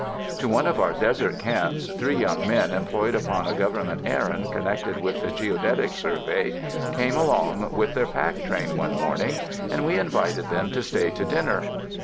To one of our desert camps, three young men employed upon a Government errand connected with the Geodetic Survey came along with their pack train one morning, and we invited them to stay to dinner.